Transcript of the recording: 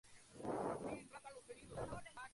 Es una de las galaxias más cercanas al Grupo Local.